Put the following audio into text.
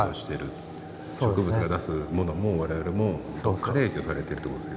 植物が出すものも我々もどこかで影響されてるという事ですよね。